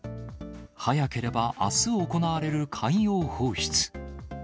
早ければあす行われる海洋放出。